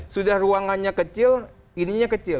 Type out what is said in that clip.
sudah ruangannya kecil ininya kecil